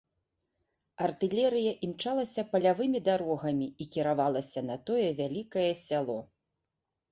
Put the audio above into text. Артылерыя імчалася палявымі дарогамі і кіравалася на тое вялікае сяло.